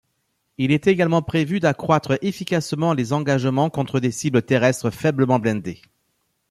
Il était également prévu d'accroitre efficacement les engagements contre des cibles terrestres faiblement blindées.